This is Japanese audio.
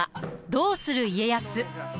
「どうする家康」。